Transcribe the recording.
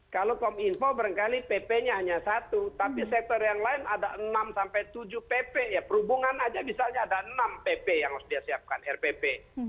kalau kominfo barangkali pp nya hanya satu tapi sektor yang lain ada enam sampai tujuh pp ya perhubungan aja misalnya ada enam pp yang harus dia siapkan rpp